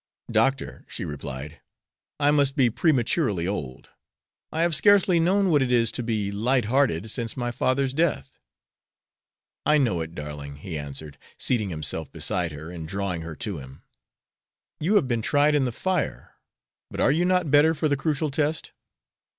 "Doctor," she replied, "I must be prematurely old. I have scarcely known what it is to be light hearted since my father's death." "I know it, darling," he answered, seating himself beside her, and drawing her to him. "You have been tried in the fire, but are you not better for the crucial test?"